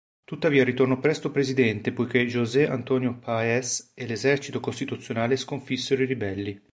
Tuttavia ritornò presto presidente poiché José Antonio Páez e l'esercito costituzionale sconfissero i ribelli.